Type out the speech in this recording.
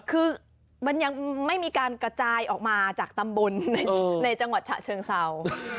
คือมันยังไม่มีการกระจายออกมาจากตำบลในจังหวัดฉะเชิงเศร้า